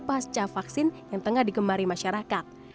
pasca vaksin yang tengah digemari masyarakat